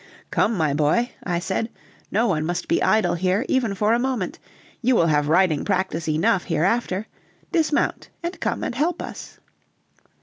"Come, my boy," I said, "no one must be idle here, even for a moment; you will have riding practice enough hereafter; dismount and come and help us."